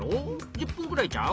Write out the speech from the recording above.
１０分ぐらいちゃう？